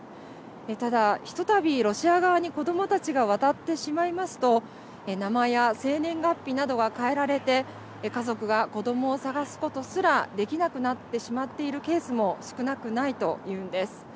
ただ、ひとたびロシア側に子どもたちが渡ってしまいますと名前や生年月日などが変えられて家族が子どもを探すことすらできなくなってしまっているケースも少なくないというんです。